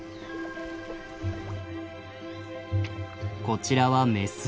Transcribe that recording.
こちらはメス。